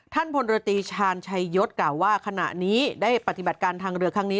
พลเรือตีชาญชัยยศกล่าวว่าขณะนี้ได้ปฏิบัติการทางเรือครั้งนี้